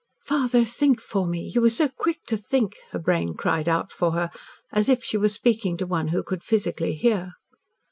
"Father, think for me you were so quick to think!" her brain cried out for her, as if she was speaking to one who could physically hear.